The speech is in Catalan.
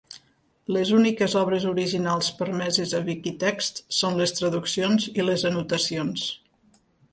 Les úniques obres originals permeses a Viquitexts són les traduccions i les anotacions.